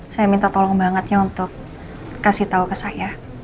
saya minta tolong bangetnya untuk kasih tau ke saya